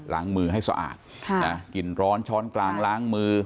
ล้างมือให้สะอาดกลิ่นร้อนช้อนกลางล้างมือ